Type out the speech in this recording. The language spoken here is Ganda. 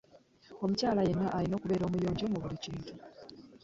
Omukyala yenna alina okubeera omuyonjo mu buli kintu.